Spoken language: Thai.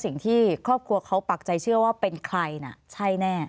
สิ่งที่ครอบครัวเขาปักใจเชื่อว่าเป็นใครน่ะใช่แน่